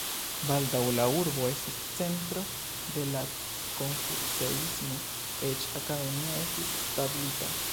Baldaŭ la urbo estis centro de la konfuceismo, eĉ akademio estis establita.